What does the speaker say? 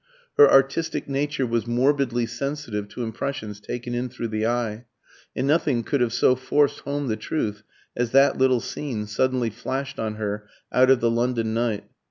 Her artistic nature was morbidly sensitive to impressions taken in through the eye, and nothing could have so forced home the truth as that little scene, suddenly flashed on her out of the London night.